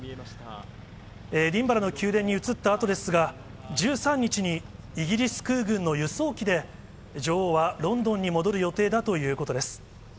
エディンバラの宮殿に移ったあとですが、１３日に、イギリス空軍の輸送機で、女王はロンドンに戻る予定だということです。